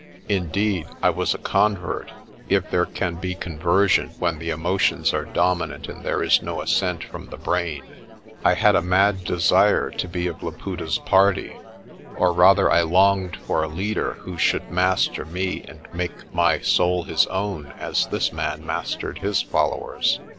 In deed I was a convert, if there can be conversion when the emotions are dominant and there is no assent from the brain. I had a mad desire to be of Laputa's party. Or rather, I longed for a leader who should master me and make my soul his own, as this man mastered his followers.